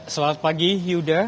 selamat pagi yuda